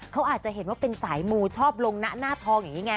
เขาอาจจะเห็นว่าเป็นสายมูชอบลงหน้าทองอย่างนี้ไง